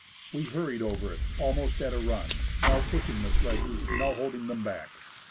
We hurried over it almost at a run, now pushing the sledges, now holding them back.